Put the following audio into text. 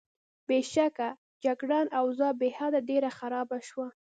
بېشکه، جګړن: اوضاع بېحده ډېره خرابه شوه.